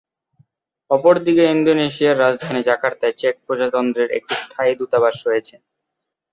অপরদিকে ইন্দোনেশিয়ার রাজধানী জাকার্তায় চেক প্রজাতন্ত্রের একটি স্থায়ী দূতাবাস রয়েছে।